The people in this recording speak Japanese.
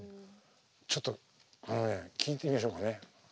ちょっと聴いてみましょうかね。